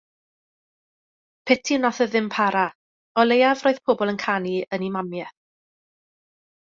Piti wnaeth e ddim para, o leiaf roedd pobl yn canu yn eu mamiaith.